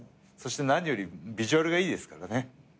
そして何よりビジュアルがいいですからね。